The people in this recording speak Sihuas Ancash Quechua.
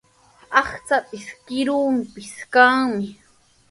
Aqchaapis, kiruupis kanmi.